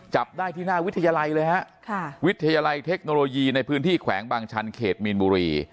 จับได้ที่หน้าวิทยาลัยเลยฮะค่ะวิทยาลัยเทคโนโลยีในพื้นที่แขวงบางชันเขตมีนบุรี